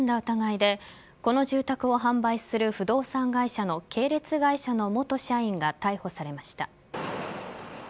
疑いでこの住宅を販売する不動産会社の系列会社の元社員が逮捕されました。